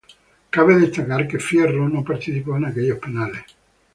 Cabe destacar que Fierro no participó en aquellos penales.